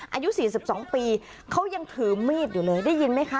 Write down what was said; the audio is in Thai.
อายุ๔๒ปีเขายังถือมีดอยู่เลยได้ยินไหมคะ